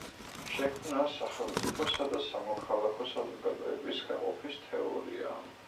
შექმნა სახელმწიფოსა და სამოქალაქო საზოგადოების გაყოფის თეორია.